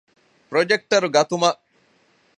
ޕްރޮޖެކްޓަރު ގަތުމަށް